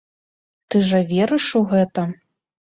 Ты жа верыш у гэта!